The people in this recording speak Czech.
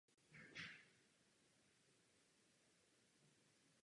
Na jeho počest je pojmenován kráter Burroughs na Marsu.